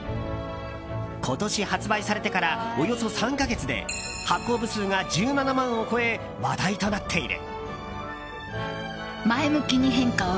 今年発売されてからおよそ３か月で発行部数が１７万を超え話題となっている。